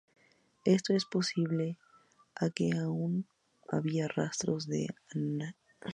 Esto es posible a que aún había rastros de Anakin Skywalker en Darth Vader.